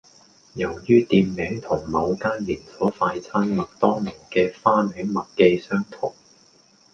由於店名同某間連鎖快餐麥當勞嘅花名麥記相同